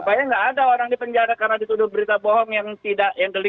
supaya tidak ada orang dipenjara karena dituduh berita bohong yang deliknya sangat formil